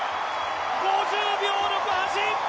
５０秒６８！